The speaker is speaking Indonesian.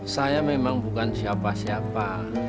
saya memang bukan siapa siapa